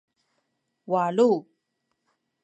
walu